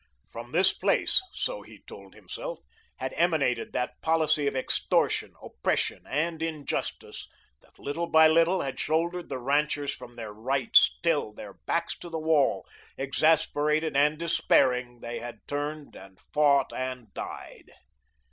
From this place so he told himself had emanated that policy of extortion, oppression and injustice that little by little had shouldered the ranchers from their rights, till, their backs to the wall, exasperated and despairing they had turned and fought and died.